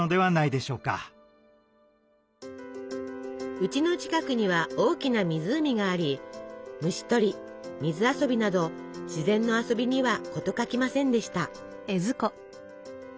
うちの近くには大きな湖があり虫取り水遊びなど自然の遊びには事欠きませんでした。